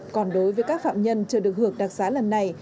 còn đối với các phạm nhân chưa được hưởng đặc xá lần này